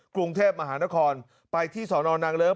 กรุงเทพมหานครไปที่สอนอนนางเลิ้ง